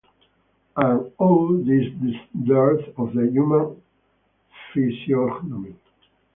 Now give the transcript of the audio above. And oh, this dearth of the human physiognomy!